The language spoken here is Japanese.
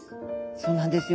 そうなんですよ。